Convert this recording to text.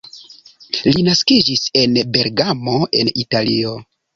Li naskiĝis en Bergamo en Italio.